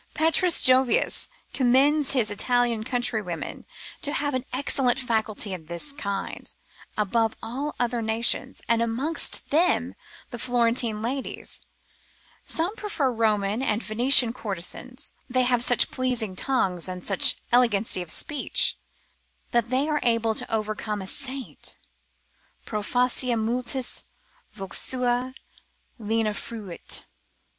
P. Jovius commends his Italian countrywomen, to have an excellent faculty in this kind, above all other nations, and amongst them the Florentine ladies: some prefer Roman and Venetian courtesans, they have such pleasing tongues, and such elegancy of speech, that they are able to overcome a saint, Pro facie multis vox sua lena fuit.